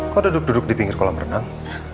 kok duduk duduk di pinggir kolam renang